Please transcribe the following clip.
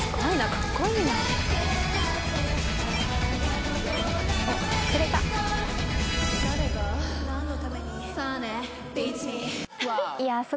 かっこいいね。